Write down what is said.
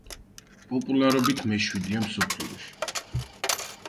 პოპულარობით მეშვიდეა მსოფლიოში.